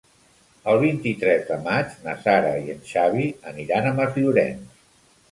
El vint-i-tres de maig na Sara i en Xavi aniran a Masllorenç.